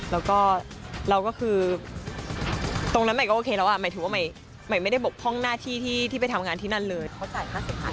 แล้วก็คือตรงนั้นไม่ได้บกพ่องหน้าที่ที่ไปทำงานที่นั่นเลย